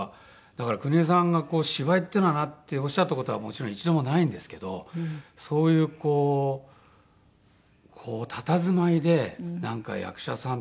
だから邦衛さんがこう「芝居っていうのはな」っておっしゃった事はもちろん一度もないんですけどそういうこうたたずまいでなんか役者さん